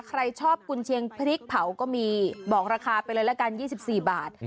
ใครชอบกุญเชียงพริกเผาก็มีบอกราคาไปเลยละกัน๒๔บาท